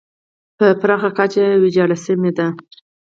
په پراخه کچه ویجاړه سیمه ده.